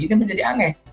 ini menjadi aneh